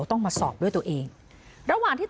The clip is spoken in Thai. คุยกับตำรวจเนี่ยคุยกับตำรวจเนี่ย